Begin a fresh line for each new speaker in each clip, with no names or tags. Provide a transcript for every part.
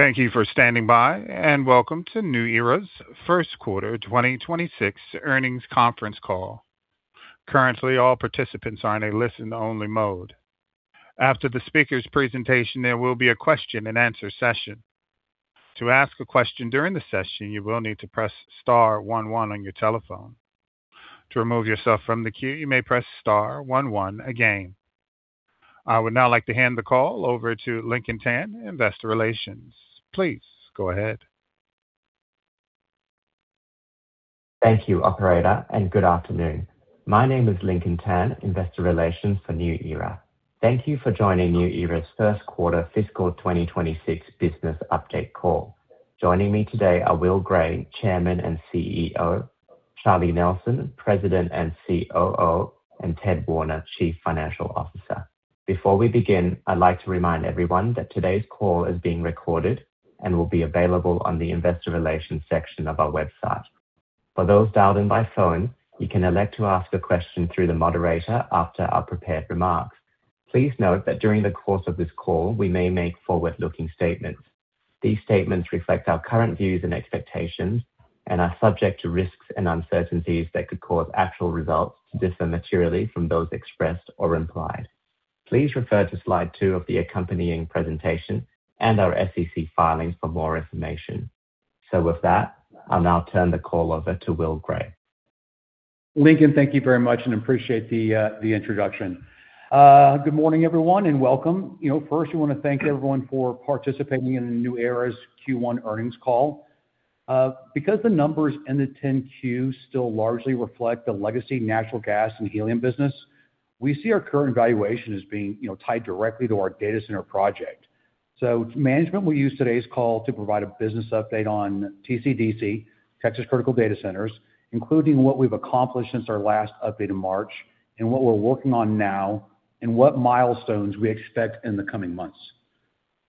Thank you for standing by, and welcome to New Era's first quarter 2026 earnings conference call. Currently, all participants are in a listen-only mode. After the speaker's presentation, there will be a question-and-answer session. To ask a question during the session, you will need to press star one one on your telephone. To remove yourself from the queue, you may press star one one again. I would now like to hand the call over to Lincoln Tan, Investor Relations. Please go ahead.
Thank you, operator. Good afternoon. My name is Lincoln Tan, Investor Relations for New Era. Thank you for joining New Era's first quarter fiscal 2026 business update call. Joining me today are Will Gray, Chairman and CEO, Charlie Nelson, President and COO, and Ted Warner, Chief Financial Officer. Before we begin, I'd like to remind everyone that today's call is being recorded and will be available on the investor relations section of our website. For those dialed in by phone, you can elect to ask a question through the moderator after our prepared remarks. Please note that during the course of this call, we may make forward-looking statements. These statements reflect our current views and expectations and are subject to risks and uncertainties that could cause actual results to differ materially from those expressed or implied. Please refer to slide two of the accompanying presentation and our SEC filings for more information. With that, I'll now turn the call over to Will Gray.
Lincoln, thank you very much and appreciate the introduction. Good morning, everyone, and welcome. You know, first, we want to thank everyone for participating in New Era's Q1 earnings call. Because the numbers in the 10-Q still largely reflect the legacy natural gas and helium business, we see our current valuation as being, you know, tied directly to our data center project. Management will use today's call to provide a business update on TCDC, Texas Critical Data Centers, including what we've accomplished since our last update in March and what we're working on now and what milestones we expect in the coming months.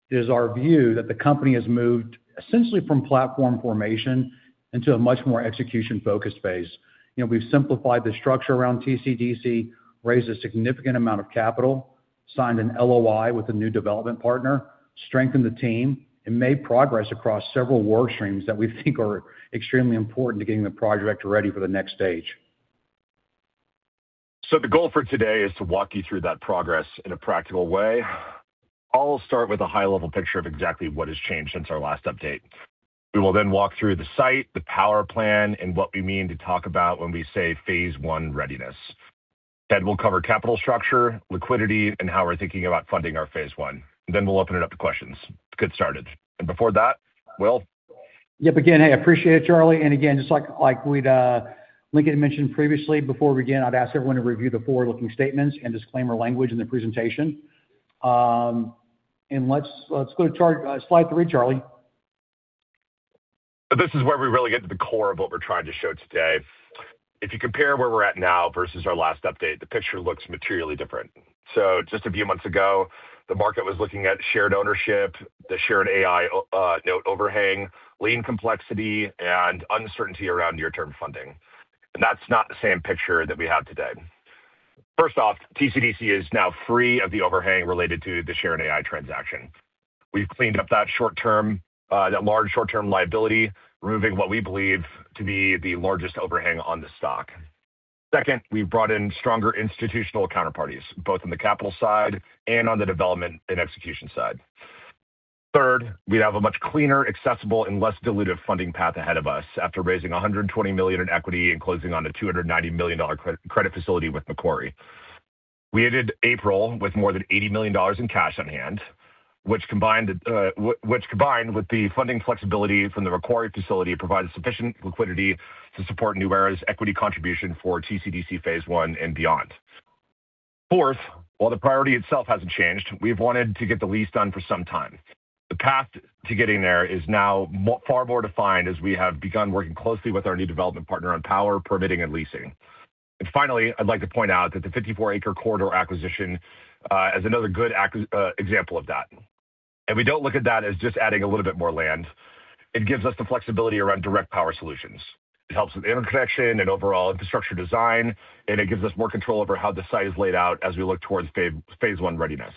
It is our view that the company has moved essentially from platform formation into a much more execution-focused phase. You know, we've simplified the structure around TCDC, raised a significant amount of capital, signed an LOI with a new development partner, strengthened the team, and made progress across several work streams that we think are extremely important to getting the project ready for the next stage.
The goal for today is to walk you through that progress in a practical way. I'll start with a high-level picture of exactly what has changed since our last update. We will then walk through the site, the power plan, and what we mean to talk about when we say phase I readiness. We'll cover capital structure, liquidity, and how we're thinking about funding our phase I. We'll open it up to questions. Let's get started. Before that, Will?
Yep. Again, hey, appreciate it, Charlie. Again, just like we'd Lincoln had mentioned previously, before we begin, I'd ask everyone to review the forward-looking statements and disclaimer language in the presentation. Let's go to chart, slide three, Charlie.
This is where we really get to the core of what we're trying to show today. If you compare where we're at now versus our last update, the picture looks materially different. Just a few months ago, the market was looking at shared ownership, the Sharon AI note overhang, lien complexity, and uncertainty around near-term funding. That's not the same picture that we have today. First off, TCDC is now free of the overhang related to the Sharon AI transaction. We've cleaned up that large short-term liability, removing what we believe to be the largest overhang on the stock. Second, we've brought in stronger institutional counterparties, both on the capital side and on the development and execution side. Third, we have a much cleaner, accessible, and less dilutive funding path ahead of us after raising $120 million in equity and closing on a $290 million credit facility with Macquarie. We ended April with more than $80 million in cash on hand, which combined with the funding flexibility from the Macquarie facility, provided sufficient liquidity to support New Era's equity contribution for TCDC phase I and beyond. Fourth, while the priority itself hasn't changed, we've wanted to get the lease done for some time. The path to getting there is now far more defined as we have begun working closely with our new development partner on power, permitting, and leasing. Finally, I'd like to point out that the 54 acre corridor acquisition is another good example of that. We don't look at that as just adding a little bit more land. It gives us the flexibility around direct power solutions. It helps with interconnection and overall infrastructure design, and it gives us more control over how the site is laid out as we look towards phase I readiness.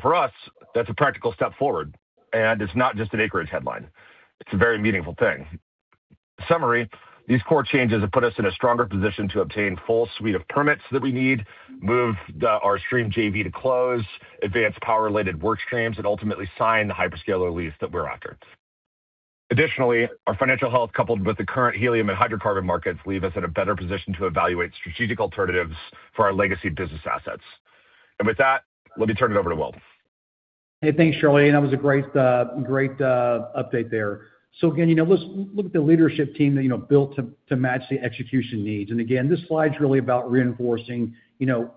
For us, that's a practical step forward, and it's not just an acreage headline. It's a very meaningful thing. In summary, these core changes have put us in a stronger position to obtain full suite of permits that we need, move our Stream JV to close, advance power-related work streams, and ultimately sign the hyperscaler lease that we're after. Additionally, our financial health, coupled with the current helium and hydrocarbon markets, leave us in a better position to evaluate strategic alternatives for our legacy business assets. With that, let me turn it over to Will.
Hey, thanks, Charlie. That was a great update there. Again, you know, let's look at the leadership team that, you know, built to match the execution needs. Again, this slide's really about reinforcing, you know,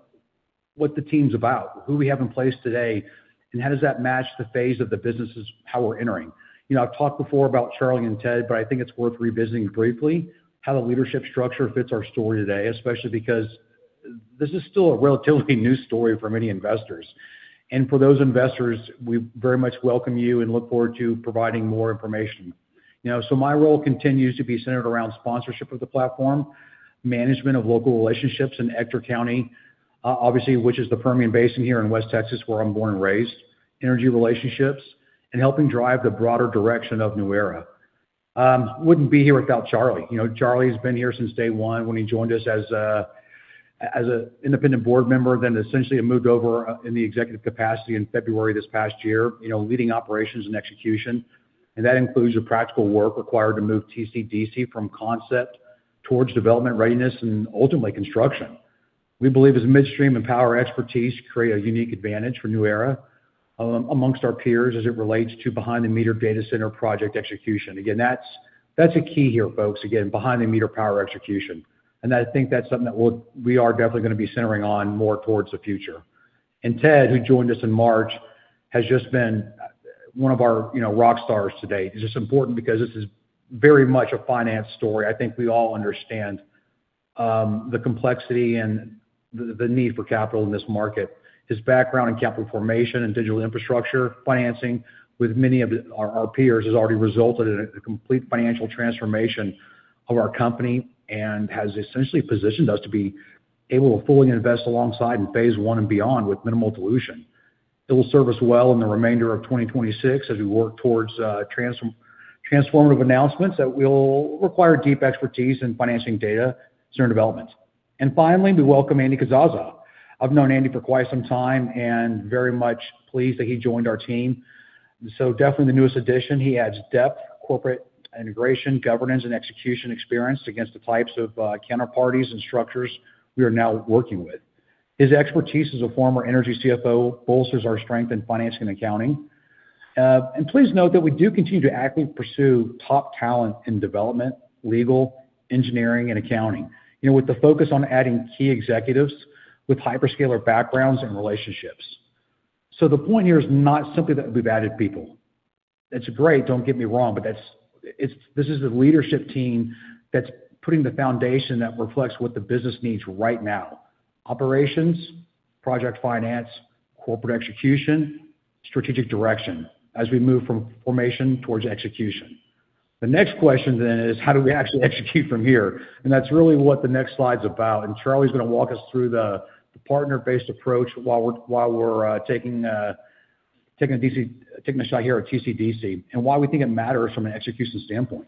what the team's about, who we have in place today, and how does that match the phase of the business' power entering. You know, I've talked before about Charlie and Ted, but I think it's worth revisiting briefly how the leadership structure fits our story today, especially because this is still a relatively new story for many investors. For those investors, we very much welcome you and look forward to providing more information. You know, my role continues to be centered around sponsorship of the platform, management of local relationships in Ector County, obviously, which is the Permian Basin here in West Texas, where I'm born and raised, energy relationships, and helping drive the broader direction of New Era. Wouldn't be here without Charlie. You know, Charlie has been here since day one when he joined us as an independent board member, then essentially moved over in the executive capacity in February this past year, you know, leading operations and execution. That includes the practical work required to move TCDC from concept towards development readiness and ultimately construction. We believe his midstream and power expertise create a unique advantage for New Era, amongst our peers as it relates to behind-the-meter data center project execution. Again, that's a key here, folks, again, behind-the-meter power execution. I think that's something that we are definitely going to be centering on more towards the future. Ted, who joined us in March, has just been one of our, you know, rock stars to date. This is important because this is very much a finance story. I think we all understand the complexity and the need for capital in this market. His background in capital formation and digital infrastructure financing with many of our peers has already resulted in a complete financial transformation of our company and has essentially positioned us to be able to fully invest alongside in phase one and beyond with minimal dilution. It will serve us well in the remainder of 2026 as we work towards transformative announcements that will require deep expertise in financing data center development. Finally, we welcome Andy Casazza. I've known Andy for quite some time and very much pleased that he joined our team. Definitely the newest addition. He adds depth, corporate integration, governance, and execution experience against the types of counterparties and structures we are now working with. His expertise as a former energy CFO bolsters our strength in finance and accounting. Please note that we do continue to actively pursue top talent in development, legal, engineering, and accounting. You know, with the focus on adding key executives with hyperscaler backgrounds and relationships. The point here is not simply that we've added people. That's great, don't get me wrong, but this is the leadership team that's putting the foundation that reflects what the business needs right now. Operations, project finance, corporate execution, strategic direction as we move from formation towards execution. The next question is, how do we actually execute from here? That's really what the next slide's about. Charlie's going to walk us through the partner-based approach while we're taking a shot here at TCDC, and why we think it matters from an execution standpoint.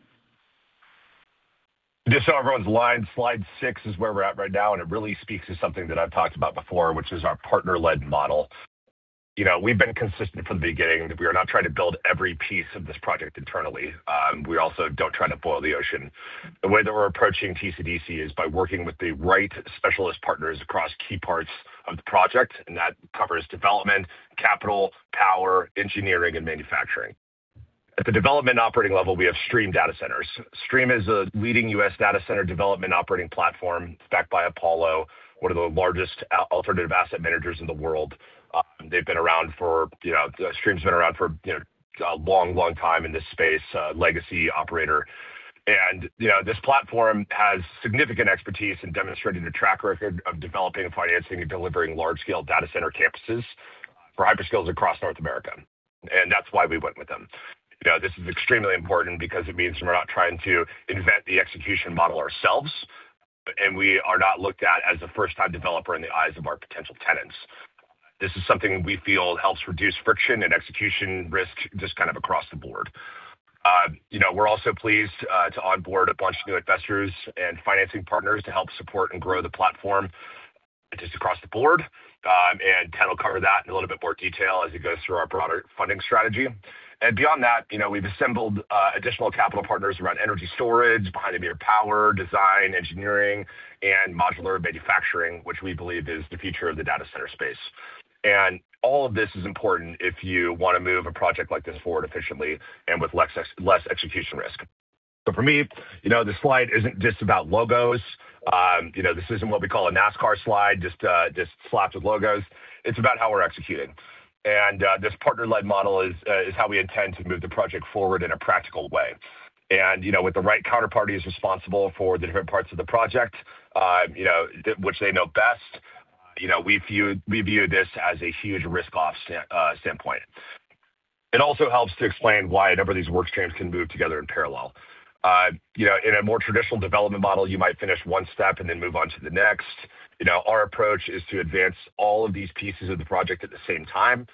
Just so everyone's aligned, slide 6 is where we're at right now. It really speaks to something that I've talked about before, which is our partner-led model. You know, we've been consistent from the beginning that we are not trying to build every piece of this project internally. We also don't try to boil the ocean. The way that we're approaching TCDC is by working with the right specialist partners across key parts of the project. That covers development, capital, power, engineering, and manufacturing. At the development operating level, we have Stream Data Centers. Stream is a leading U.S. data center development operating platform backed by Apollo, one of the largest alternative asset managers in the world. They've been around for, you know, Stream's been around for, you know, a long time in this space, legacy operator. You know, this platform has significant expertise in demonstrating a track record of developing, financing, and delivering large-scale data center campuses for hyperscalers across North America. That's why we went with them. You know, this is extremely important because it means we're not trying to invent the execution model ourselves, and we are not looked at as a first-time developer in the eyes of our potential tenants. This is something we feel helps reduce friction and execution risk just kind of across the board. You know, we're also pleased to onboard a bunch of new investors and financing partners to help support and grow the platform just across the board. Ted will cover that in a little bit more detail as he goes through our broader funding strategy. Beyond that, you know, we've assembled additional capital partners around energy storage, behind-the-meter power, design, engineering, and modular manufacturing, which we believe is the future of the data center space. All of this is important if you want to move a project like this forward efficiently and with less execution risk. For me, you know, this slide isn't just about logos. You know, this isn't what we call a NASCAR slide, just slapped with logos. It's about how we're executing. This partner-led model is how we intend to move the project forward in a practical way. You know, with the right counterparties responsible for the different parts of the project, which they know best, you know, we view this as a huge risk-off standpoint. It also helps to explain why a number of these work streams can move together in parallel. You know, in a more traditional development model, you might finish one step and then move on to the next. You know, our approach is to advance all of these pieces of the project at the same time.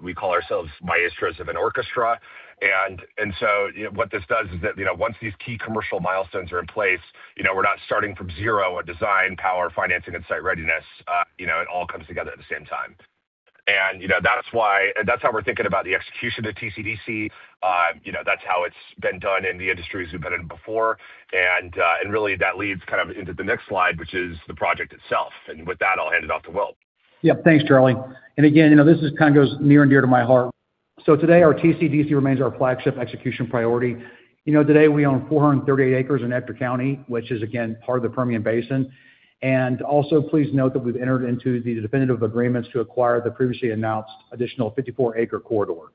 We call ourselves maestros of an orchestra. You know, what this does is that, you know, once these key commercial milestones are in place, you know, we're not starting from zero on design, power, financing, and site readiness. You know, it all comes together at the same time. You know, that's how we're thinking about the execution of TCDC. You know, that's how it's been done in the industries we've been in before. Really that leads kind of into the next slide, which is the project itself. With that, I'll hand it off to Will.
Yep. Thanks, Charlie. Again, you know, this is kind of goes near and dear to my heart. Today, our TCDC remains our flagship execution priority. You know, today we own 438 acres in Ector County, which is again, part of the Permian Basin. Also please note that we've entered into the definitive agreements to acquire the previously announced additional 54 acre corridor.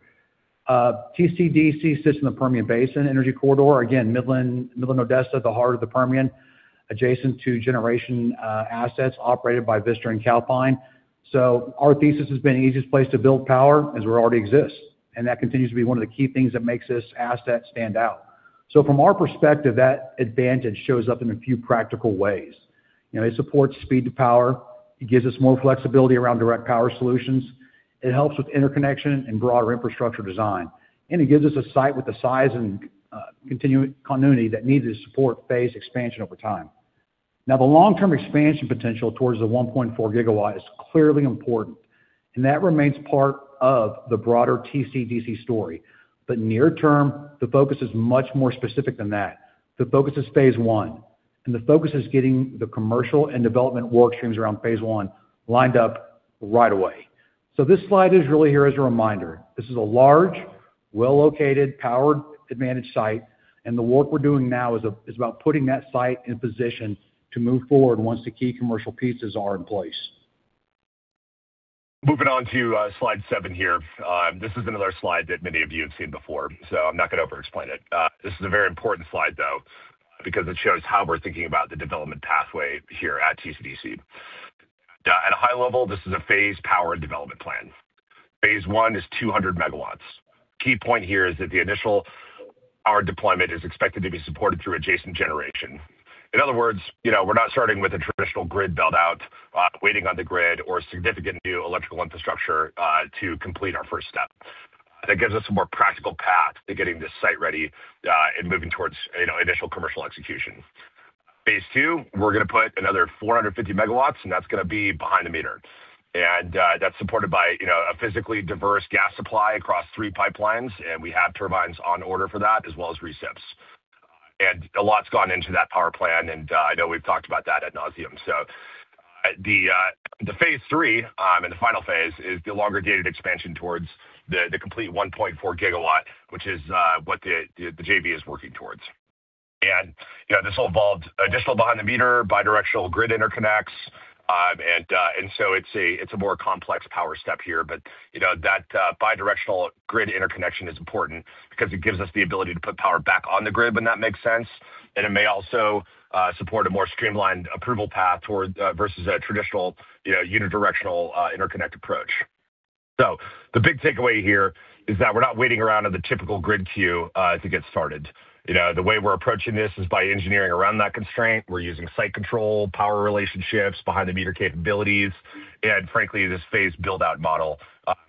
TCDC sits in the Permian Basin Energy Corridor, again, Midland, Odessa, the heart of the Permian, adjacent to generation assets operated by Vistra and Calpine. Our thesis has been the easiest place to build power is where it already exists, and that continues to be one of the key things that makes this asset stand out. From our perspective, that advantage shows up in a few practical ways. You know, it supports speed to power. It gives us more flexibility around direct power solutions. It helps with interconnection and broader infrastructure design. It gives us a site with the size and continuity that needed to support phase expansion over time. Now, the long-term expansion potential towards the 1.4 GW is clearly important, and that remains part of the broader TCDC story. Near term, the focus is much more specific than that. The focus is phase I, and the focus is getting the commercial and development work streams around phase I lined up right away. This slide is really here as a reminder. This is a large, well-located, powered, advantaged site, and the work we're doing now is about putting that site in position to move forward once the key commercial pieces are in place.
Moving on to slide seven here. This is another slide that many of you have seen before. I'm not gonna overexplain it. This is a very important slide, though, because it shows how we're thinking about the development pathway here at TCDC. At a high level, this is a phased power development plan. phase I is 200 MW. Key point here is that the initial power deployment is expected to be supported through adjacent generation. In other words, you know, we're not starting with a traditional grid build-out, waiting on the grid or significant new electrical infrastructure to complete our first step. That gives us a more practical path to getting this site ready, and moving towards, you know, initial commercial execution. Phase II, we're gonna put another 450 MW. That's gonna be behind-the-meter. That's supported by, you know, a physically diverse gas supply across three pipelines, and we have turbines on order for that, as well as recips. A lot's gone into that power plan, and I know we've talked about that ad nauseam. The phase three, and the final phase is the longer-dated expansion towards the complete 1.4 GW, which is what the JV is working towards. You know, this will involve additional behind-the-meter, bi-directional grid interconnects. It's a more complex power step here. You know, that bi-directional grid interconnection is important because it gives us the ability to put power back on the grid when that makes sense. It may also support a more streamlined approval path toward versus a traditional, you know, unidirectional interconnect approach. The big takeaway here is that we're not waiting around on the typical grid queue to get started. You know, the way we're approaching this is by engineering around that constraint. We're using site control, power relationships, behind-the-meter capabilities, and frankly, this phase build-out model,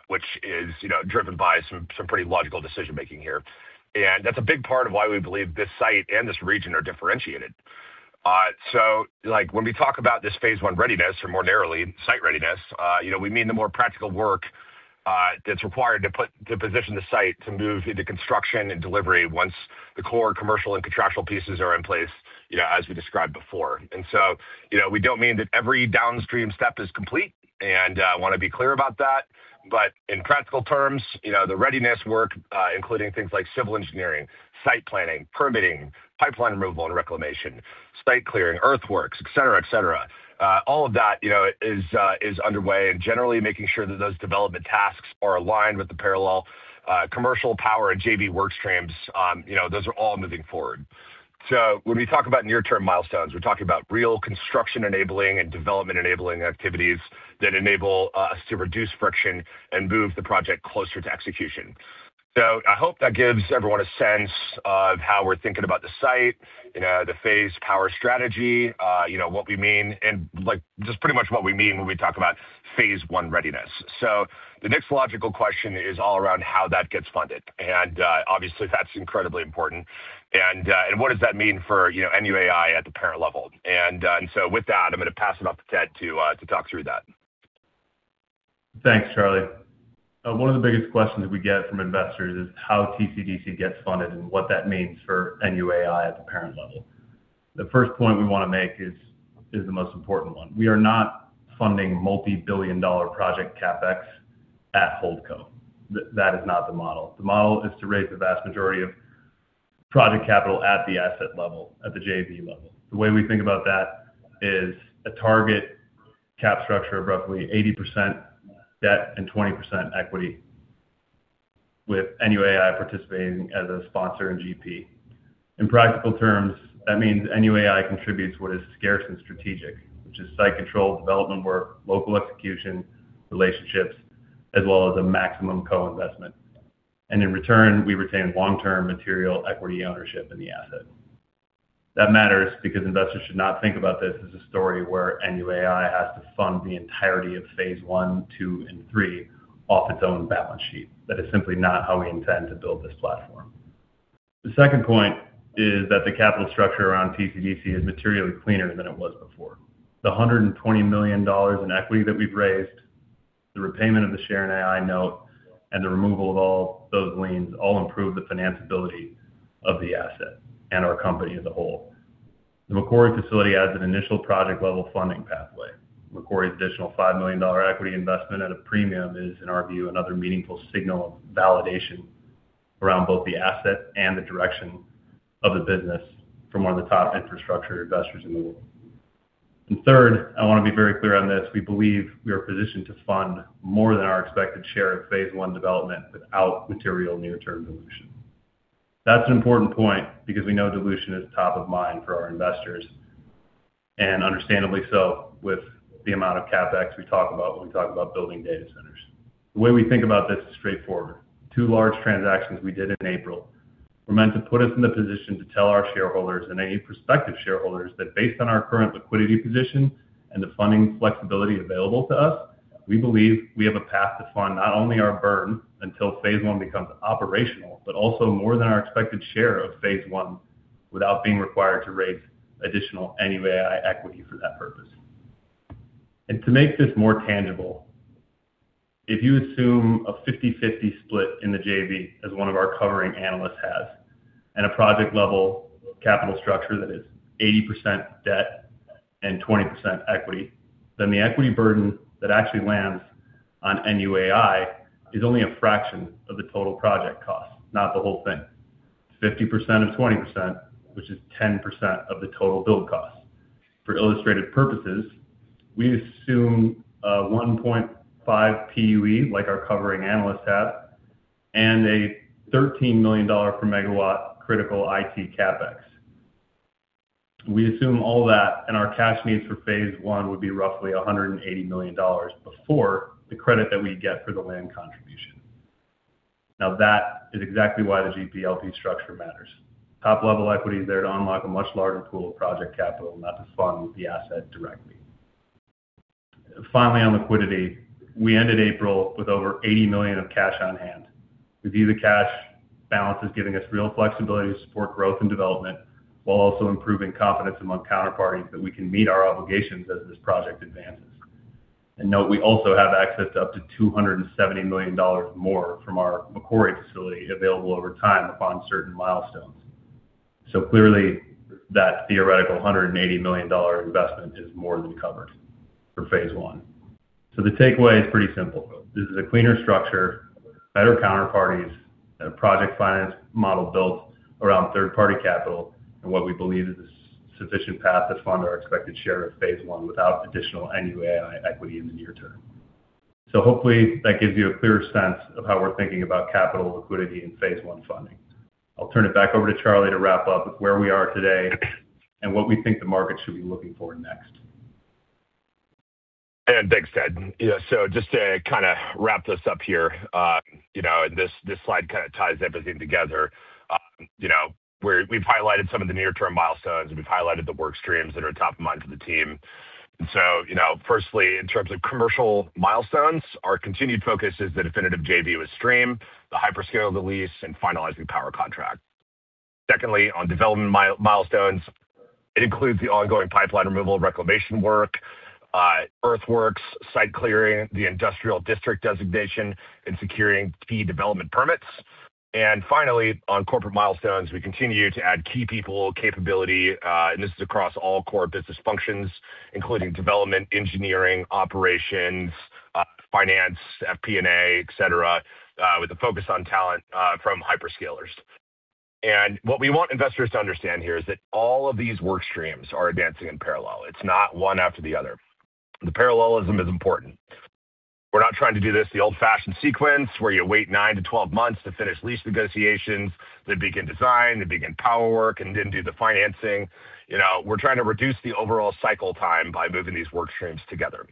which is, you know, driven by some pretty logical decision-making here. That's a big part of why we believe this site and this region are differentiated. Like, when we talk about this phase I readiness or more narrowly, site readiness, you know, we mean the more practical work that's required to position the site to move into construction and delivery once the core commercial and contractual pieces are in place, you know, as we described before. You know, we don't mean that every downstream step is complete, and I wanna be clear about that. In practical terms, you know, the readiness work, including things like civil engineering, site planning, permitting, pipeline removal and reclamation, site clearing, earthworks, et cetera, et cetera. All of that, you know, is underway and generally making sure that those development tasks are aligned with the parallel commercial power and JV work streams. You know, those are all moving forward. When we talk about near-term milestones, we're talking about real construction enabling and development enabling activities that enable us to reduce friction and move the project closer to execution. I hope that gives everyone a sense of how we're thinking about the site, you know, the phase power strategy, you know, what we mean and, like, just pretty much what we mean when we talk about phase one readiness. The next logical question is all around how that gets funded. Obviously, that's incredibly important. And what does that mean for, you know, NUAI at the parent level? With that, I'm gonna pass it off to Ted to talk through that.
Thanks, Charlie. One of the biggest questions we get from investors is how TCDC gets funded and what that means for NUAI at the parent level. The first point we wanna make is the most important one. We are not funding multi-billion dollar project CapEx at Holdco. That is not the model. The model is to raise the vast majority of project capital at the asset level, at the JV level. The way we think about that is a target cap structure of roughly 80% debt and 20% equity, with NUAI participating as a sponsor and GP. In practical terms, that means NUAI contributes what is scarce and strategic, which is site control, development work, local execution, relationships, as well as a maximum co-investment. In return, we retain long-term material equity ownership in the asset. That matters because investors should not think about this as a story where NUAI has to fund the entirety of phase I, II and III off its own balance sheet. That is simply not how we intend to build this platform. The second point is that the capital structure around TCDC is materially cleaner than it was before. The $120 million in equity that we've raised, the repayment of the Sharon AI note, and the removal of all those liens all improve the financability of the asset and our company as a whole. The Macquarie facility adds an initial project-level funding pathway. Macquarie's additional $5 million equity investment at a premium is, in our view, another meaningful signal of validation around both the asset and the direction of the business from one of the top infrastructure investors in the world. Third, I want to be very clear on this, we believe we are positioned to fund more than our expected share of phase I development without material near-term dilution. That's an important point because we know dilution is top of mind for our investors, and understandably so, with the amount of CapEx we talk about when we talk about building data centers. The way we think about this is straightforward. Two large transactions we did in April were meant to put us in the position to tell our shareholders and any prospective shareholders that based on our current liquidity position and the funding flexibility available to us, we believe we have a path to fund not only our burn until phase I becomes operational, but also more than our expected share of phase I without being required to raise additional NUAI equity for that purpose. To make this more tangible, if you assume a 50/50 split in the JV as one of our covering analysts has, and a project level capital structure that is 80% debt and 20% equity, then the equity burden that actually lands on NUAI is only a fraction of the total project cost, not the whole thing. 50% of 20%, which is 10% of the total build cost. For illustrated purposes, we assume a 1.5 PUE like our covering analysts have and a $13 million per megawatt critical IT CapEx. We assume all that and our cash needs for phase one would be roughly $180 million before the credit that we'd get for the land contribution. Now, that is exactly why the GPLP structure matters. Top-level equity is there to unlock a much larger pool of project capital, not to fund the asset directly. Finally, on liquidity, we ended April with over $80 million of cash on hand. We view the cash balance is giving us real flexibility to support growth and development while also improving confidence among counterparties that we can meet our obligations as this project advances. Note we also have access up to $270 million more from our Macquarie facility available over time upon certain milestones. Clearly that theoretical $180 million investment is more than covered for phase I. The takeaway is pretty simple. This is a cleaner structure, better counterparties, and a project finance model built around third-party capital and what we believe is a sufficient path to fund our expected share of phase I without additional New Era equity in the near term. Hopefully that gives you a clearer sense of how we're thinking about capital liquidity in phase I funding. I'll turn it back over to Charlie to wrap up with where we are today and what we think the market should be looking for next.
And thanks, Ted. Just to kind of wrap this up here, you know, this slide kind of ties everything together. You know, we've highlighted some of the near-term milestones. We've highlighted the work streams that are top of mind for the team. You know, firstly, in terms of commercial milestones, our continued focus is the definitive JV with Stream, the hyperscale of the lease, and finalizing power contract. Secondly, on development milestones, it includes the ongoing pipeline removal, reclamation work, earthworks, site clearing, the industrial district designation, and securing key development permits. Finally, on corporate milestones, we continue to add key people capability. This is across all core business functions, including development, engineering, operations, finance, FP&A, et cetera, with a focus on talent from hyperscalers. What we want investors to understand here is that all of these work streams are advancing in parallel. It's not one after the other. The parallelism is important. We're not trying to do this the old-fashioned sequence, where you wait nine to 12 months to finish lease negotiations, then begin design, then begin power work, and then do the financing. You know, we're trying to reduce the overall cycle time by moving these work streams together.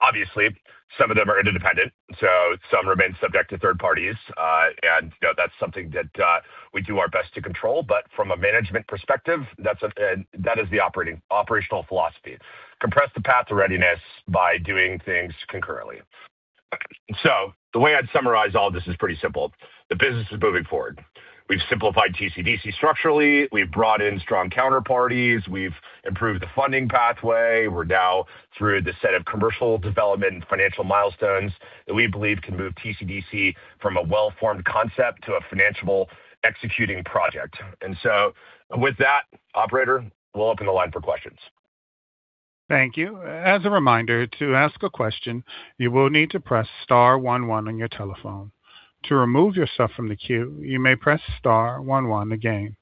Obviously, some of them are interdependent, so some remain subject to third parties. You know, that's something that we do our best to control. But from a management perspective, that is the operational philosophy. Compress the path to readiness by doing things concurrently. The way I'd summarize all this is pretty simple. The business is moving forward. We've simplified TCDC structurally. We've brought in strong counterparties. We've improved the funding pathway. We're now through the set of commercial development and financial milestones that we believe can move TCDC from a well-formed concept to a financial executing project. With that, operator, we'll open the line for questions.
Thank you. As a reminder, to ask a question, you will need to press star one one on your telephone. To remove yourself from the queue, you may press star one one again.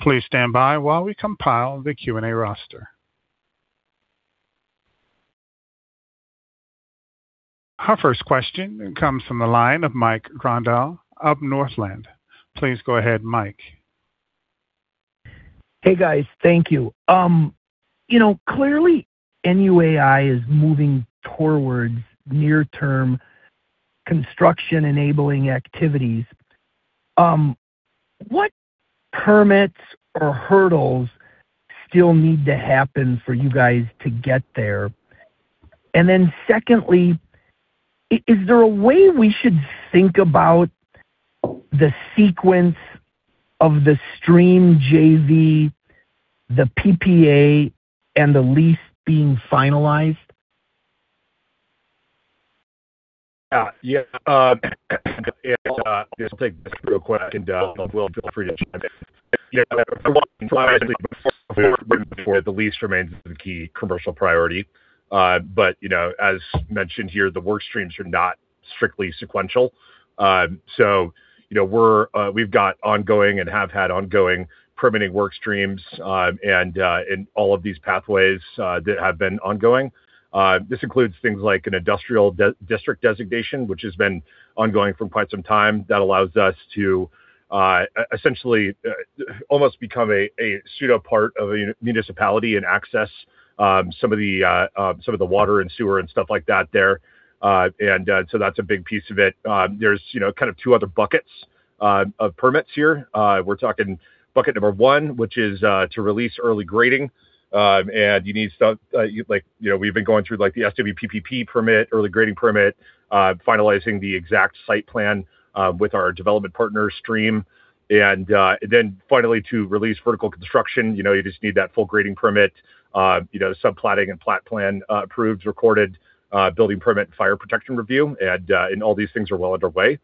Please stand by while we compile the Q&A roster. Our first question comes from the line of Mike Grondahl of Northland. Please go ahead, Mike.
Hey, guys. Thank you. You know, clearly, NUAI is moving towards near-term construction-enabling activities. What permits or hurdles still need to happen for you guys to get there? Secondly, is there a way we should think about the sequence of the Stream JV, the PPA, and the lease being finalized?
Yeah. Yeah. I'll take this real quick, and Will, feel free to chime in. The lease remains the key commercial priority. You know, as mentioned here, the work streams are not strictly sequential. You know, we've got ongoing and have had ongoing permitting work streams, and in all of these pathways, that have been ongoing. This includes things like an industrial district designation, which has been ongoing for quite some time. That allows us to essentially, almost become a pseudo part of a municipality and access some of the water and sewer and stuff like that there. That's a big piece of it. There's, you know, kind of two other buckets Of permits here. We're talking bucket number one, which is to release early grading. You need stuff, like, you know, we've been going through like the SWPPP permit, early grading permit, finalizing the exact site plan with our development partner, Stream. Finally to release vertical construction. You know, you just need that full grading permit, you know, subplatting and plat plan, approved, recorded, building permit, fire protection review. All these things are well underway.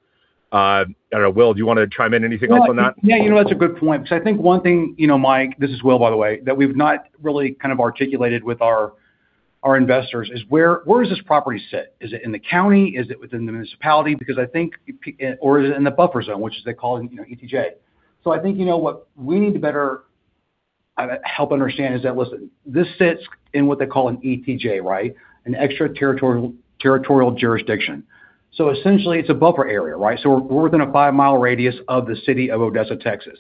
I don't know, Will, do you wanna chime in anything else on that?
Well, yeah, you know, that's a good point. I think one thing, you know, Mike, this is Will, by the way, that we've not really kind of articulated with our investors is where does this property sit? Is it in the county? Is it within the municipality? I think or is it in the buffer zone, which they call, you know, ETJ. I think, you know, what we need to better help understand is that, listen, this sits in what they call an ETJ, right? An extra territorial jurisdiction. Essentially it's a buffer area, right? We're within a 5-mile radius of the city of Odessa, Texas,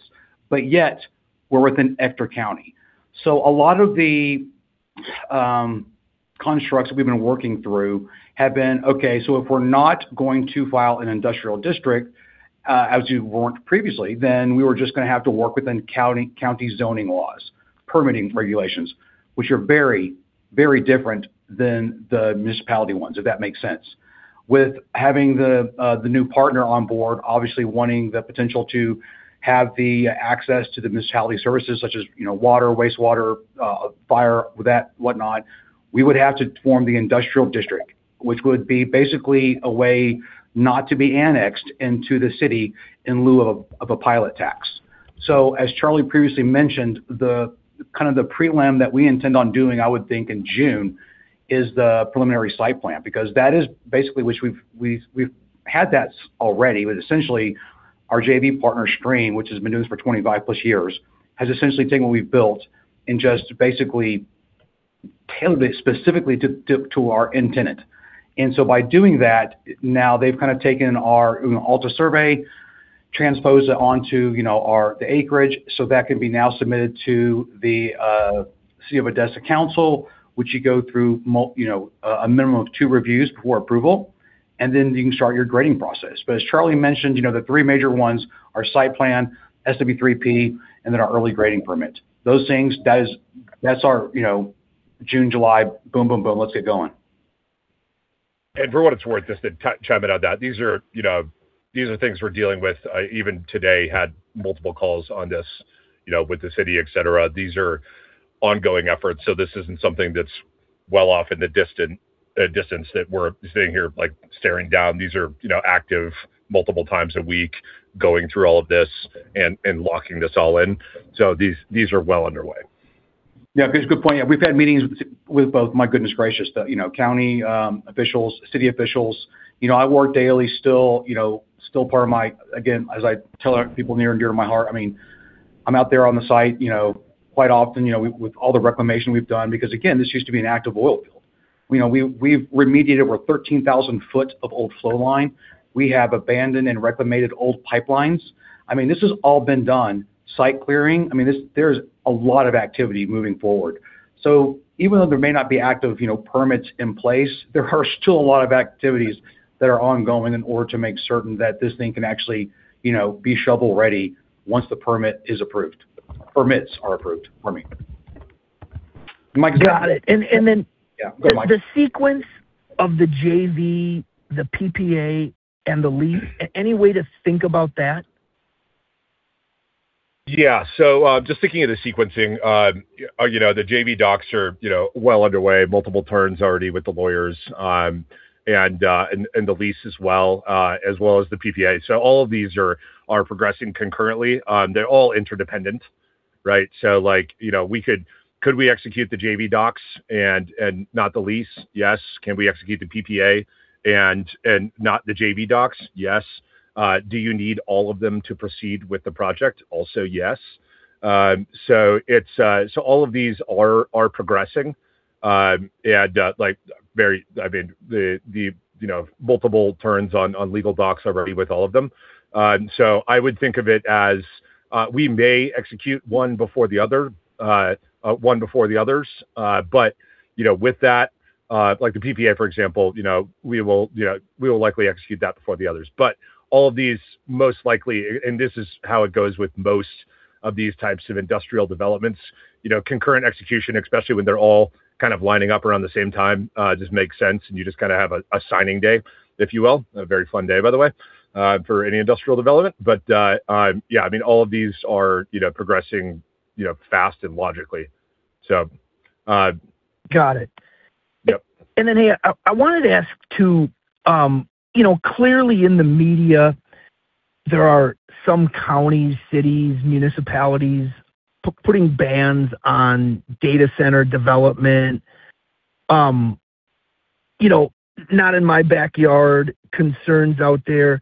but yet we're within Ector County. A lot of the constructs we've been working through have been, okay, if we're not going to file an industrial district, as you weren't previously, then we were just gonna have to work within county zoning laws, permitting regulations, which are very, very different than the municipality ones, if that makes sense. With having the new partner on board, obviously wanting the potential to have the access to the municipality services such as, you know, water, wastewater, fire, that, whatnot, we would have to form the industrial district, which would be basically a way not to be annexed into the city in lieu of a pilot tax. As Charlie previously mentioned, the kind of the prelim that we intend on doing, I would think in June, is the preliminary site plan, because that is basically which we've had that already. Essentially our JV partner, Stream, which has been doing this for 25+ years, has essentially taken what we've built and just basically tailored it specifically to our end tenant. By doing that, now they've kind of taken our, you know, ALTA survey, transposed it onto, you know, our, the acreage, so that can be now submitted to the City of Odessa Council, which you go through a minimum of two reviews before approval, and then you can start your grading process. As Charlie mentioned, you know, the three major ones are site plan, SWPPP, and then our early grading permit. Those things, that is, that's our, you know, June, July, boom, boom, let's get going.
For what it's worth, just to chime in on that, these are, you know, these are things we're dealing with. I even today had multiple calls on this, you know, with the city, et cetera. These are ongoing efforts, so this isn't something that's well off in the distant distance that we're sitting here, like, staring down. These are, you know, active multiple times a week going through all of this and locking this all in. These are well underway.
Yeah. Good, good point. Yeah, we've had meetings with both, my goodness gracious, the, you know, county officials, city officials. You know, I work daily still, you know, still part of my Again, as I tell people near and dear to my heart, I mean, I'm out there on the site, you know, quite often, you know, with all the reclamation we've done, because again, this used to be an active oil field. You know, we've remediated over 13,000 foot of old flow line. We have abandoned and reclaimed old pipelines. I mean, this has all been done. Site clearing, I mean, this, there's a lot of activity moving forward. Even though there may not be active, you know, permits in place, there are still a lot of activities that are ongoing in order to make certain that this thing can actually, you know, be shovel-ready once the permit is approved. Permits are approved for me.
Got it.
Yeah. Go, Mike.
The sequence of the JV, the PPA and the lease, any way to think about that?
Yeah. Just thinking of the sequencing, you know, the JV docs are, you know, well underway, multiple turns already with the lawyers, and the lease as well, as well as the PPA. All of these are progressing concurrently. They're all interdependent, right? Like, you know, could we execute the JV docs and not the lease? Yes. Can we execute the PPA and not the JV docs? Yes. Do you need all of them to proceed with the project? Also yes. It's, so all of these are progressing. Like, you know, multiple turns on legal docs already with all of them. I would think of it as, we may execute one before the others. You know, with that, like the PPA for example, you know, we will likely execute that before the others. All of these most likely, and this is how it goes with most of these types of industrial developments, you know, concurrent execution, especially when they're all kind of lining up around the same time, just makes sense and you just kind of have a signing day, if you will. A very fun day, by the way, for any industrial development. Yeah, I mean all of these are, you know, progressing, you know, fast and logically.
Got it.
Yep.
Hey, I wanted to ask too, you know, clearly in the media there are some counties, cities, municipalities putting bans on data center development. You know, not in my backyard concerns out there.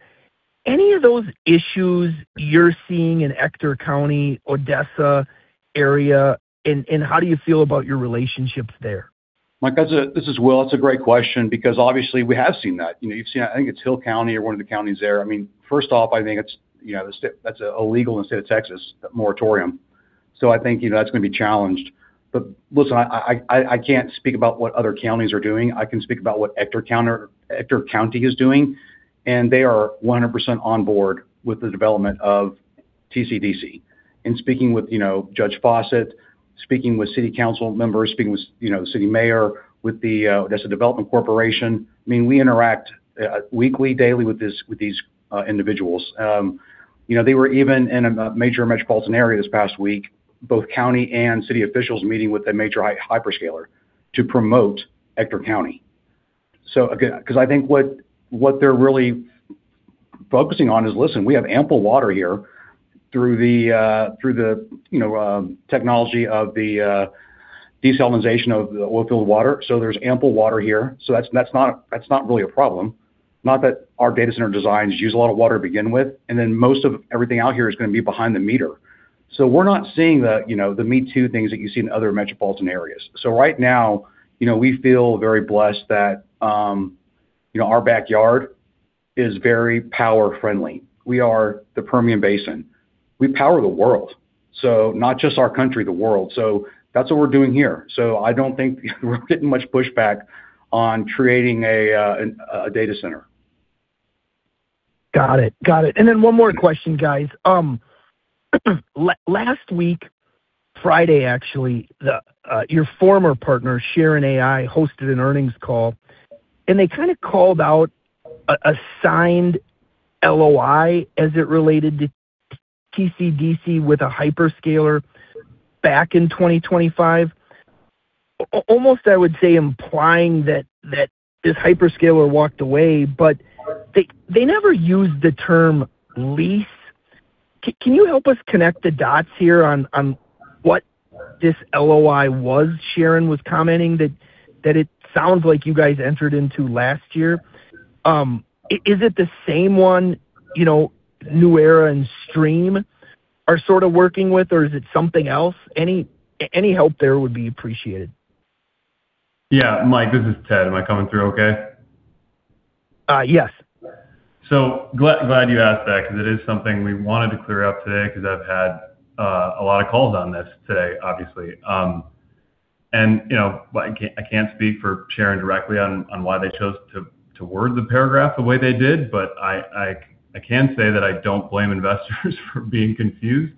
Any of those issues you're seeing in Ector County, Odessa area, and how do you feel about your relationship there?
Mike, this is Will. That's a great question because obviously we have seen that. You know, you've seen, I think it's Hill County or one of the counties there. I mean, first off, I think it's, you know, that's illegal in the state of Texas, that moratorium. I think, you know, that's going to be challenged. Listen, I can't speak about what other counties are doing. I can speak about what Ector County is doing, and they are 100% on board with the development of TCDC. In speaking with, you know, Dustin Fawcett, speaking with city council members, speaking with, you know, the city mayor, with the development corporation. I mean, we interact weekly, daily with these individuals. You know, they were even in a major metropolitan area this past week, both county and city officials meeting with a major hyperscaler to promote Ector County. Because I think what they're really focusing on is, listen, we have ample water here through the, you know, technology of the desalinization of the oil field water. There's ample water here, that's not really a problem. Not that our data center designs use a lot of water to begin with, most of everything out here is gonna be behind the meter. We're not seeing the, you know, the me-too things that you see in other metropolitan areas. Right now, you know, we feel very blessed that, you know, our backyard is very power-friendly. We are the Permian Basin. We power the world. Not just our country, the world. That's what we're doing here. I don't think we're getting much pushback on creating a data center.
Got it. Got it. One more question, guys. Last week, Friday actually, your former partner, Sharon AI, hosted an earnings call, and they kinda called out a signed LOI as it related to TCDC with a hyperscaler back in 2025. Almost, I would say, implying that this hyperscaler walked away, but they never used the term lease. Can you help us connect the dots here on what this LOI was Sharon was commenting that it sounds like you guys entered into last year? Is it the same one, you know, New Era and Stream are sorta working with, or is it something else? Any help there would be appreciated.
Yeah. Mike, this is Ted. Am I coming through okay?
Yes.
Glad you asked that because it is something we wanted to clear up today because I've had a lot of calls on this today, obviously. You know, I can't speak for Sharon directly on why they chose to word the paragraph the way they did, but I can say that I don't blame investors for being confused.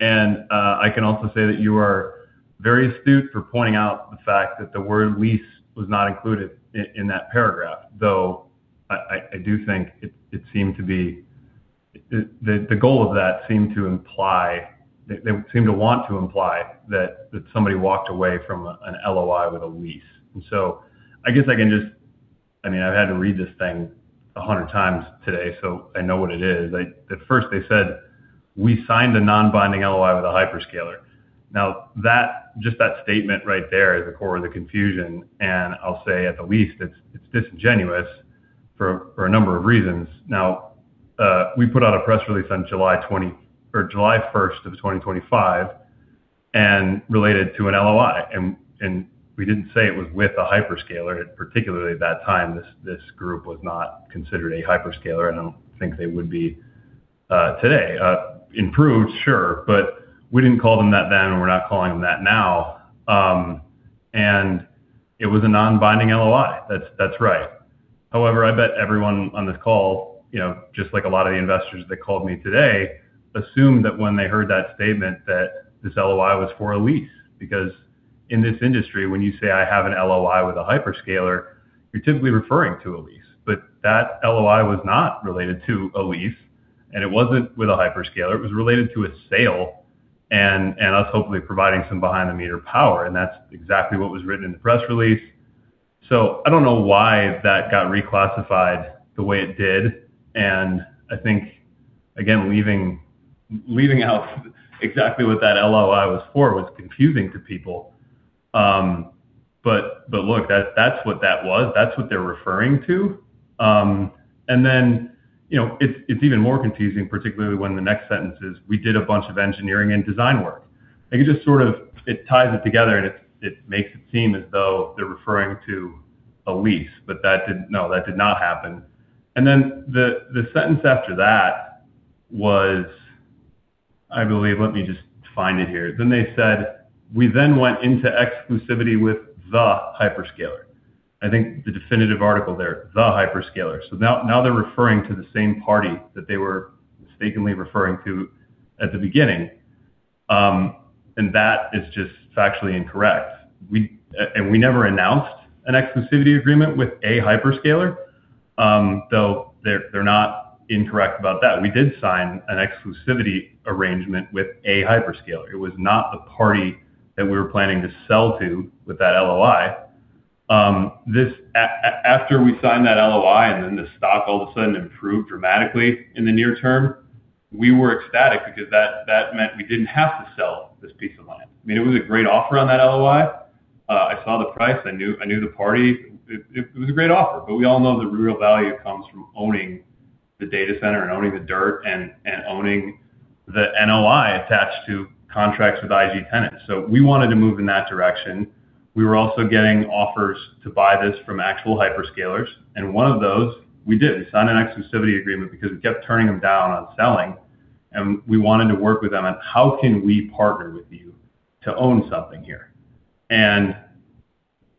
I can also say that you are very astute for pointing out the fact that the word lease was not included in that paragraph, though I do think it seemed to be The goal of that seemed to imply they seemed to want to imply that somebody walked away from a, an LOI with a lease. I guess I mean, I've had to read this thing a 100 times today, so I know what it is. At first they said, "We signed a non-binding LOI with a hyperscaler." That, just that statement right there is the core of the confusion, and I'll say at the least it's disingenuous for a number of reasons. We put out a press release on July 1st of 2025 and related to an LOI, and we didn't say it was with a hyperscaler. Particularly at that time, this group was not considered a hyperscaler, and I don't think they would be today. Improved, sure, but we didn't call them that then, and we're not calling them that now. It was a non-binding LOI. That's right. However, I bet everyone on this call, you know, just like a lot of the investors that called me today, assumed that when they heard that statement that this LOI was for a lease. In this industry, when you say, "I have an LOI with a hyperscaler," you're typically referring to a lease. That LOI was not related to a lease, and it wasn't with a hyperscaler. It was related to a sale and us hopefully providing some behind-the-meter power, and that's exactly what was written in the press release. I don't know why that got reclassified the way it did, and I think, again, leaving out exactly what that LOI was for was confusing to people. But look, that's what that was. That's what they're referring to. You know, it's even more confusing, particularly when the next sentence is, "We did a bunch of engineering and design work." Like it just ties it together and it makes it seem as though they're referring to a lease. No, that did not happen. The sentence after that was, I believe. Let me just find it here. They said, "We then went into exclusivity with the hyperscaler." I think the definitive article there, the hyperscaler. Now they're referring to the same party that they were mistakenly referring to at the beginning. That is just factually incorrect. We never announced an exclusivity agreement with a hyperscaler. Though they're not incorrect about that. We did sign an exclusivity arrangement with a hyperscaler. It was not the party that we were planning to sell to with that LOI. After we signed that LOI and then the stock all of a sudden improved dramatically in the near term, we were ecstatic because that meant we didn't have to sell this piece of land. I mean, it was a great offer on that LOI. I saw the price. I knew the party. It was a great offer. We all know the real value comes from owning the data center and owning the dirt and owning the NOI attached to contracts with IG tenants. We wanted to move in that direction. We were also getting offers to buy this from actual hyperscalers. One of those we did, we signed an exclusivity agreement because we kept turning them down on selling, and we wanted to work with them on how can we partner with you to own something here.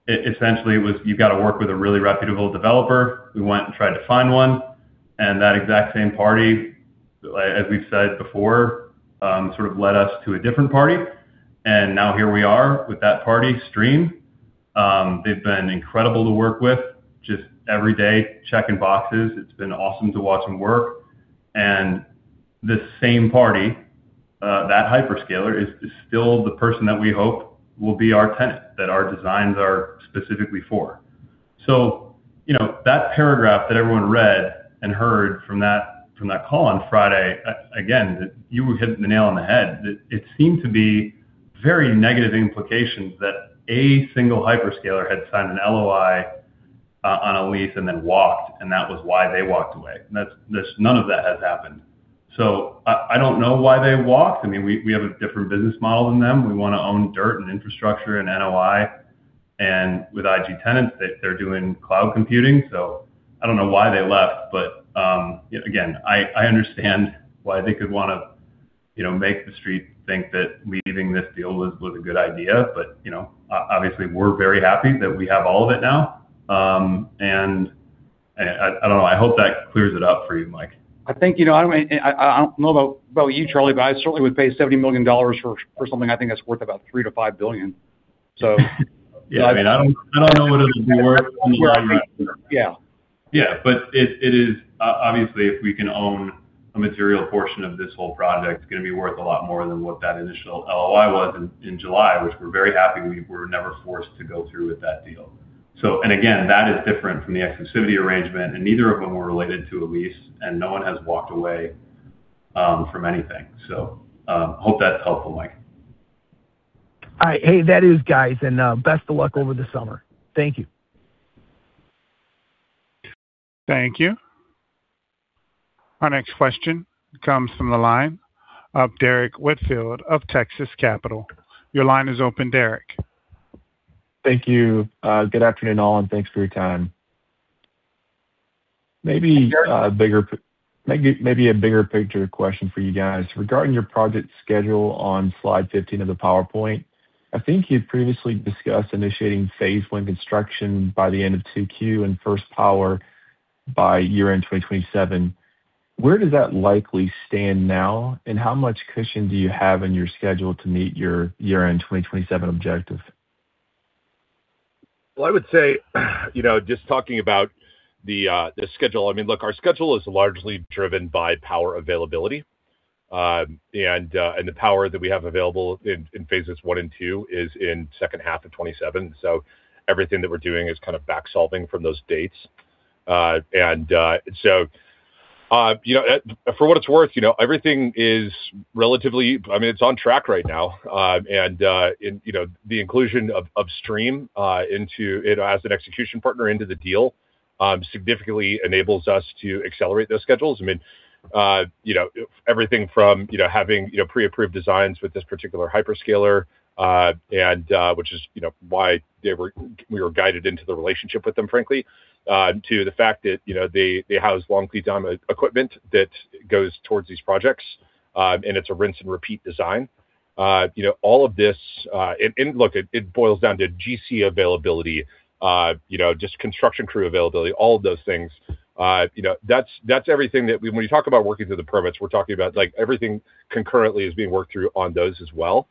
Essentially, it was, "You've got to work with a really reputable developer." We went and tried to find one, that exact same party, like as we've said before, sort of led us to a different party. Now here we are with that party, Stream. They've been incredible to work with, just every day checking boxes. It's been awesome to watch them work. The same party, that hyperscaler is still the person that we hope will be our tenant, that our designs are specifically for. You know, that paragraph that everyone read and heard from that, from that call on Friday, again, you hit the nail on the head. It seemed to be very negative implications that a single hyperscaler had signed an LOI on a lease and then walked, and that was why they walked away. None of that has happened. I don't know why they walked. I mean, we have a different business model than them. We want to own dirt and infrastructure and NOI. With IG tenants, they're doing cloud computing. I don't know why they left, but yet again, I understand why they could wanna, you know, make the Street think that leaving this deal was a good idea. You know, obviously we're very happy that we have all of it now. I don't know. I hope that clears it up for you, Mike.
I think, you know, I don't know about you, Charlie, but I certainly would pay $70 million for something I think that's worth about $3 billion-$5 billion.
I mean, I don't know what it'll be worth in the long run.
Yeah.
It is obviously, if we can own a material portion of this whole project, it's gonna be worth a lot more than what that initial LOI was in July, which we're very happy we were never forced to go through with that deal. Again, that is different from the exclusivity arrangement, and neither of them were related to a lease, and no one has walked away from anything. Hope that's helpful, Mike.
All right. Hey, that is, guys, and, best of luck over the summer. Thank you.
Thank you. Our next question comes from the line of Derrick Whitfield of Texas Capital. Your line is open, Derrick.
Thank you. Good afternoon, all, and thanks for your time. Maybe a bigger picture question for you guys. Regarding your project schedule on slide 15 of the PowerPoint, I think you've previously discussed initiating phase one construction by the end of 2Q and first power by year-end 2027. Where does that likely stand now, and how much cushion do you have in your schedule to meet your year-end 2027 objective?
Well, I would say, you know, just talking about the schedule, I mean, look, our schedule is largely driven by power availability. The power that we have available in phases I and II is in second half of 2027. Everything that we're doing is kind of back-solving from those dates. For what it's worth, you know, everything is relatively, I mean, it's on track right now. The inclusion of Stream into it as an execution partner into the deal, significantly enables us to accelerate those schedules. I mean, you know, having pre-approved designs with this particular hyperscaler, and which is, you know, why we were guided into the relationship with them, frankly, to the fact that, you know, they house long lead time equipment that goes towards these projects, and it's a rinse and repeat design. You know, all of this. And look, it boils down to GC availability, you know, just construction crew availability, all of those things. You know, that's everything that when we talk about working through the permits, we're talking about, like, everything concurrently is being worked through on those as well.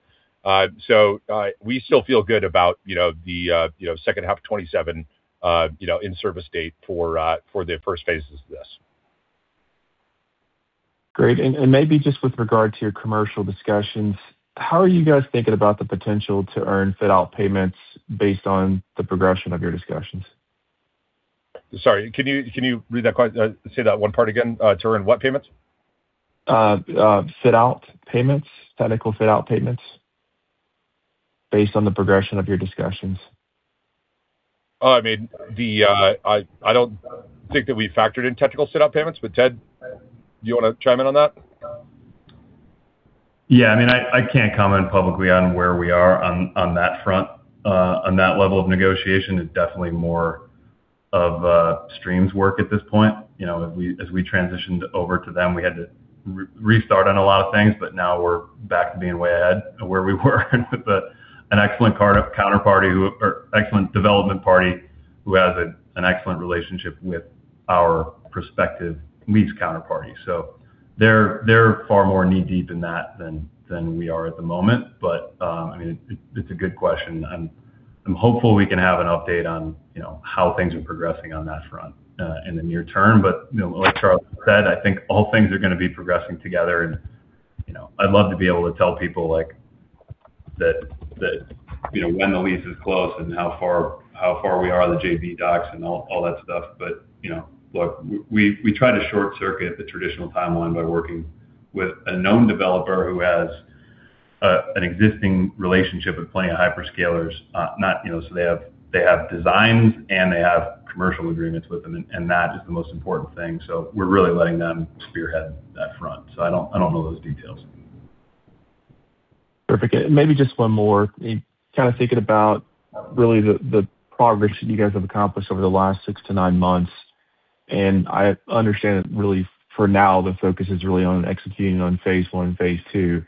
We still feel good about, you know, the, you know, second half of 2027, you know, in-service date for the first phases of this.
Great. Maybe just with regard to your commercial discussions, how are you guys thinking about the potential to earn fit-out payments based on the progression of your discussions?
Sorry, can you say that one part again? To earn what payments?
Fit-out payments, technical fit-out payments based on the progression of your discussions.
I mean, I don't think that we factored in technical fit-out payments, but Ted, do you wanna chime in on that?
Yeah. I mean, I can't comment publicly on where we are on that front. On that level of negotiation is definitely more of Stream's work at this point. You know, as we transitioned over to them, we had to re-restart on a lot of things, but now we're back to being way ahead of where we were with an excellent counterparty or excellent development party who has an excellent relationship with our prospective lease counterparty. They're far more knee-deep in that than we are at the moment. I mean, it's a good question. I'm hopeful we can have an update on, you know, how things are progressing on that front in the near term. You know, like Charles said, I think all things are going to be progressing together and, you know, I'd love to be able to tell people, like, that, you know, when the lease is closed and how far we are on the JV docs and all that stuff. You know, look, we try to short-circuit the traditional timeline by working with a known developer who has an existing relationship with plenty of hyperscalers. You know, so they have designs, and they have commercial agreements with them, and that is the most important thing. We're really letting them spearhead that. I don't know those details.
Perfect. Maybe just one more. In thinking about the progress that you guys have accomplished over the last six to nine months, I understand that for now the focus is on executing on phase I, phase II.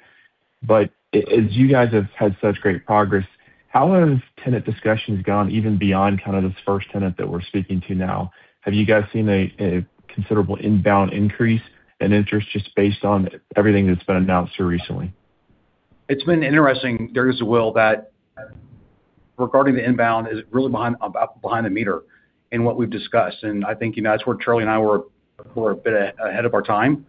As you guys have had such great progress, how have tenant discussions gone even beyond this first tenant that we're speaking to now? Have you guys seen a considerable inbound increase in interest just based on everything that's been announced so recently?
It's been interesting, Derrick, as well, that regarding the inbound is really behind-the-meter in what we've discussed. I think, you know, that's where Charlie and I were a bit ahead of our time.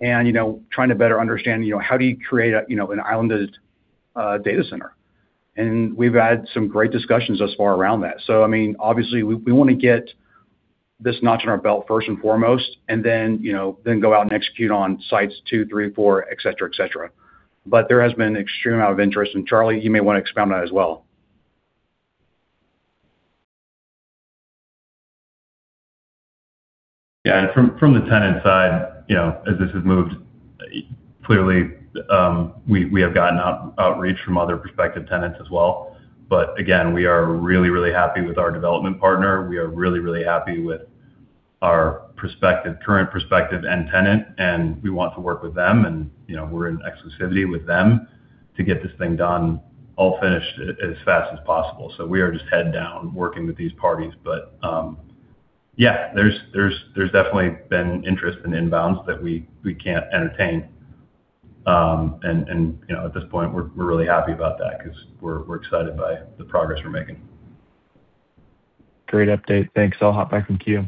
You know, trying to better understand, you know, how do you create a, you know, an islanded data center. We've had some great discussions thus far around that. I mean, obviously, we wanna get this notch in our belt first and foremost, and then, you know, then go out and execute on sites two, three, four, et cetera, et cetera. There has been an extreme amount of interest. Charlie, you may wanna expound on that as well.
Yeah. From the tenant side, you know, as this has moved, clearly, we have gotten outreach from other prospective tenants as well. Again, we are really happy with our development partner. We are really happy with our current prospective end tenant, and we want to work with them. You know, we're in exclusivity with them to get this thing done, all finished as fast as possible. We are just head down working with these parties. Yeah, there's definitely been interest in inbounds that we can't entertain. You know, at this point, we're really happy about that because we're excited by the progress we're making.
Great update. Thanks. I'll hop back in queue.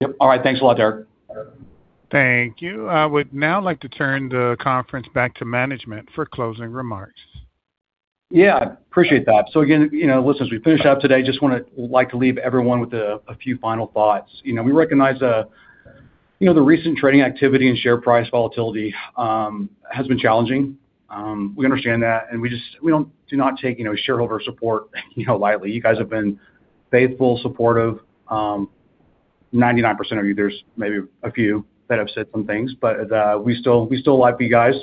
Yep. All right. Thanks a lot, Derrick.
Thank you. I would now like to turn the conference back to management for closing remarks.
Yeah. Appreciate that. Again, you know, listen, as we finish up today, just want to leave everyone with a few final thoughts. You know, we recognize, you know, the recent trading activity and share price volatility has been challenging. We understand that, and we do not take, you know, shareholder support, you know, lightly. You guys have been faithful, supportive, 99% of you. There's maybe a few that have said some things, but we still like you guys.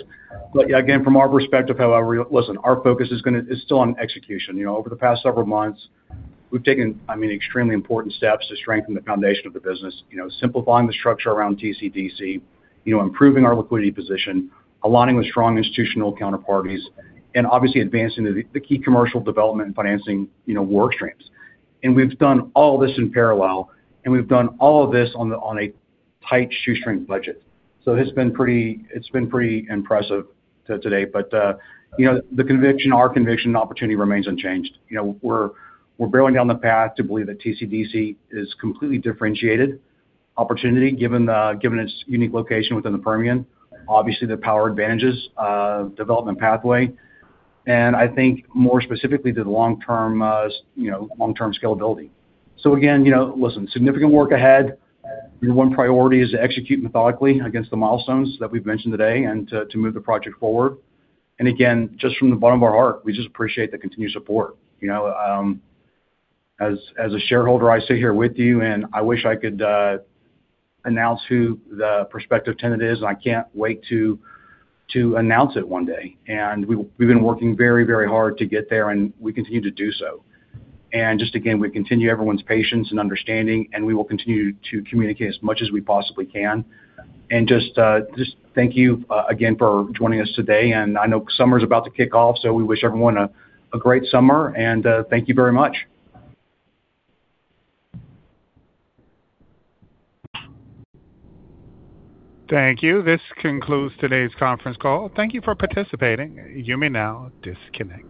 Again, from our perspective, however, listen, our focus is still on execution. You know, over the past several months, we've taken, I mean, extremely important steps to strengthen the foundation of the business. You know, simplifying the structure around TCDC, you know, improving our liquidity position, aligning with strong institutional counterparties, and obviously advancing the key commercial development and financing, you know, work streams. We've done all this in parallel, and we've done all of this on a tight shoestring budget. It's been pretty impressive to date. You know, our conviction and opportunity remains unchanged. You know, we're barreling down the path to believe that TCDC is completely differentiated opportunity given its unique location within the Permian. Obviously, the power advantages of development pathway, and I think more specifically to the long-term scalability. Again, you know, listen, significant work ahead. You know, one priority is to execute methodically against the milestones that we've mentioned today and to move the project forward. Again, just from the bottom of our heart, we just appreciate the continued support. You know, as a shareholder, I sit here with you, and I wish I could announce who the prospective tenant is, and I can't wait to announce it one day. We've been working very, very hard to get there, and we continue to do so. Just again, we continue everyone's patience and understanding, and we will continue to communicate as much as we possibly can. Just thank you again for joining us today. I know summer's about to kick off, so we wish everyone a great summer, and thank you very much.
Thank you. This concludes today's conference call. Thank you for participating. You may now disconnect.